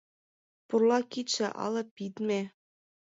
Пурла кидше але пидме.